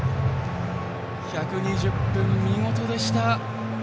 １２０分、見事でした！